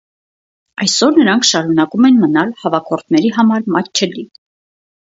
Այսօր նրանք շարունակում են մնալ հավաքորդների համար մատչելի։